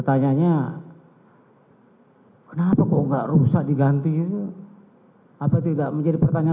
saya akan mencoba untuk mencoba